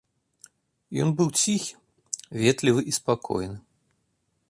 Ён быў ціхі, ветлівы і спакойны.